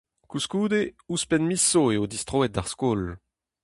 Koulskoude, ouzhpenn miz zo eo distroet d'ar skol.